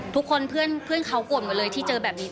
ทุกคนเพื่อนเพื่อนเขากล่วงกันเลยที่เจอแบบนี้